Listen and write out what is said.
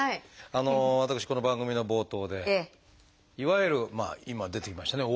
私この番組の冒頭でいわゆるまあ今出てきましたね